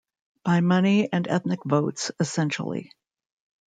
By money and ethnic votes, essentially.